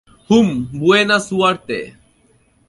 হুম বুয়েনা সুয়ের্তে।